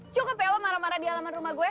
cowok kepewa marah marah di alaman rumah gue